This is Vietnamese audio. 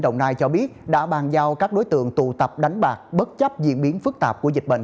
đồng nai cho biết đã bàn giao các đối tượng tụ tập đánh bạc bất chấp diễn biến phức tạp của dịch bệnh